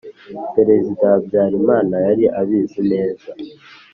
perezida habyarimana yari abizi neza,